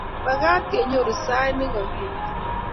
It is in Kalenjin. Magaat kenyoru sait negagipet